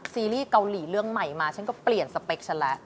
ซีรีส์เกาหลีเรื่องใหม่มาฉันก็เปลี่ยนสเปคฉันแล้ว